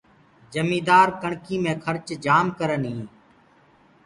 جميدآ ڪڻڪي مي کرچ جآم ڪرن هينٚ۔